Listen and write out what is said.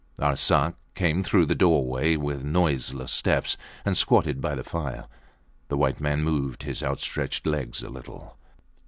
Arsat came through the doorway with noiseless steps and squatted down by the fire. The white man moved his outstretched legs a little.